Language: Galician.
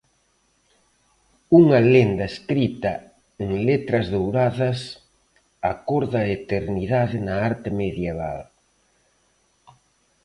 Unha lenda escrita en letras douradas, a cor da Eternidade na arte medieval.